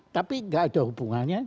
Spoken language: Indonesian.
tapi gak ada hubungannya